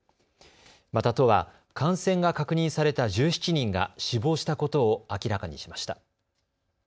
また都は感染が確認された１７人が死亡したことを明らかにしました。